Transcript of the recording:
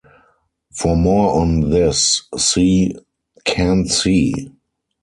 For more on this, see "can see".